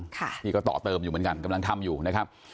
ค่ะนี่ก็ต่อเติมอยู่เหมือนกันกำลังทำอยู่นะครับ